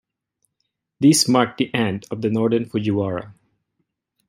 This marked the end of the Northern Fujiwara.